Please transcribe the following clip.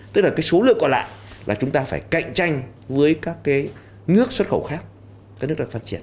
tức là cái số lượng còn lại là chúng ta phải cạnh tranh với các nước xuất khẩu khác các nước đang phát triển